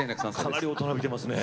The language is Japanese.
かなり大人びてますねえ。